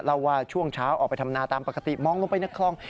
เล่าว่าช่วงเช้าออกไปทำนาตามปกติมองลงไปในคลอง